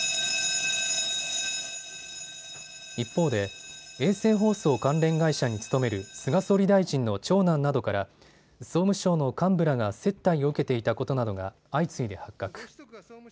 一方で衛星放送関連会社に勤める菅総理大臣の長男などから総務省の幹部らが接待を受けていたことなどが相次いで発覚。